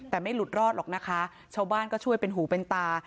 แต่ไม่หลุดรอดหรอกนะคะชาวบ้านก็ช่วยเป็นหูเป็นตา